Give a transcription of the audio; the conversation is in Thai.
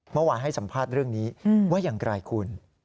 เมื่อวานให้สัมภาษณ์เรื่องนี้ว่าอย่างไรคุณ